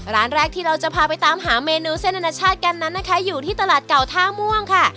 ร้านแรกที่เราจะพาไปตามหาเมนูเส้นอนาชาติกันนั้นนะคะอยู่ที่ตลาดเก่าท่าม่วงค่ะ